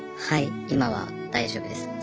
はい今は大丈夫です。